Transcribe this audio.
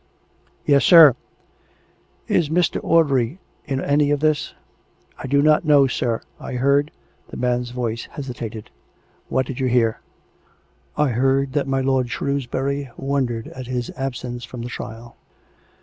" Yes, sir." " Is Mr. Audrey in any of this ?"" I do not know, sir. ... I heard " The man's voice hesitated. " What did you hear .''"" I heard that my lord Shrewsbury wondered at his ab sence from the trial; and